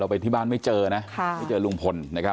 ไปที่บ้านไม่เจอนะไม่เจอลุงพลนะครับ